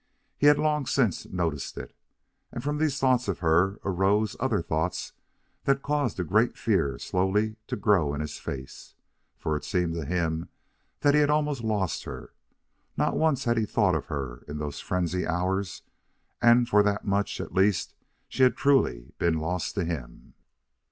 He had long since noticed it. And from these thoughts of her arose other thoughts that caused a great fear slowly to grow in his face. For it seemed to him that he had almost lost her. Not once had he thought of her in those frenzied hours, and for that much, at least, had she truly been lost to him.